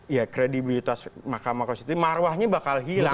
ya kredibilitas mahkamah konstitusi marwahnya bakal hilang